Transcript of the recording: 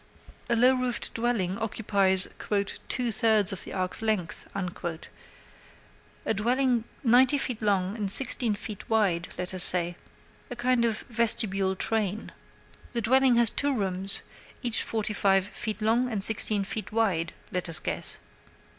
A low roofed log dwelling occupies "two thirds of the ark's length" a dwelling ninety feet long and sixteen feet wide, let us say a kind of vestibule train. The dwelling has two rooms each forty five feet long and sixteen feet wide, let us guess.